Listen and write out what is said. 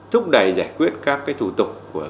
thúc đẩy giải quyết các thủ tục của